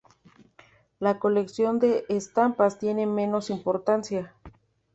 La colección de estampas tiene menos importancia.